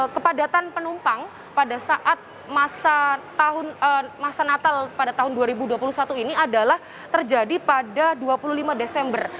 kepadatan penumpang pada saat masa natal pada tahun dua ribu dua puluh satu ini adalah terjadi pada dua puluh lima desember